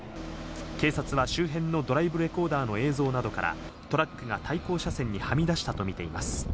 警察は周辺のドライブレコーダーの映像などから、トラックが対向車線にはみ出したとみています。